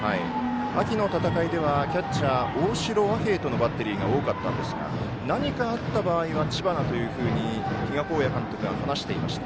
秋の大会ではキャッチャー、大城和平とのバッテリーが多かったんですが何かあった場合は知花というふうに比嘉公也監督が話していました。